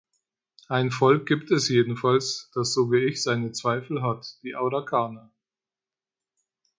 Ein Volk gibt es jedenfalls, das so wie ich seine Zweifel hat die Araukaner.